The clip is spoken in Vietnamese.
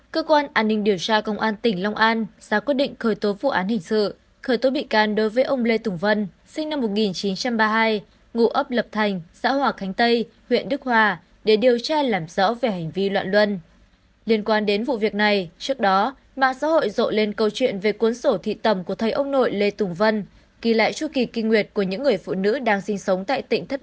các bạn hãy đăng ký kênh để ủng hộ kênh của chúng mình nhé